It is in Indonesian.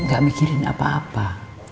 gak mikirin apa apa